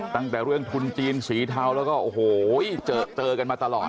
ตั้งแต่เรื่องทุนจีนสีเทาแล้วก็โอ้โหเจอกันมาตลอด